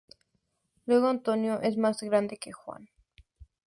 Luego Antonio es más grande que Juan.